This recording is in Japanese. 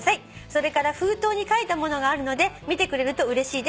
「それから封筒にかいたものがあるので見てくれるとうれしいです。